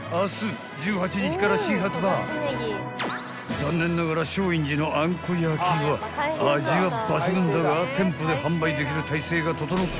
［残念ながら松陰寺のあんこ焼は味は抜群だが店舗で販売できる体制が整っていないため］